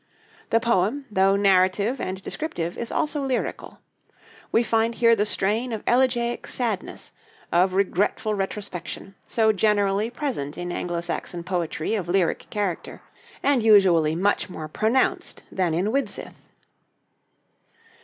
The poem, though narrative and descriptive, is also lyrical. We find here the strain of elegiac sadness, of regretful retrospection, so generally present in Anglo Saxon poetry of lyric character, and usually much more pronounced than in 'Widsith.'